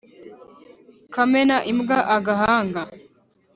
kamena imbwa agahanga